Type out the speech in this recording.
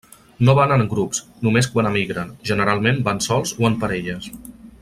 No van en grups, només quan emigren, generalment van sols o en parelles.